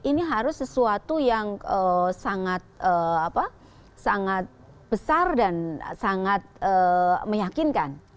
ini harus sesuatu yang sangat besar dan sangat meyakinkan